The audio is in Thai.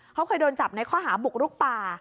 เขาเคยโดนจับในข้อหาบุกรุกป่า